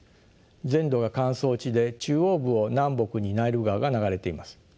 全土が乾燥地で中央部を南北にナイル川が流れています。